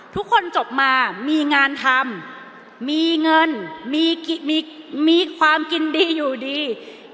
ทุกคนจบมามีงานทำมีเงินมีความกินดีอยู่ดี